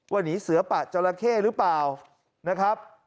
หนีเสือปะจราเข้หรือเปล่านะครับ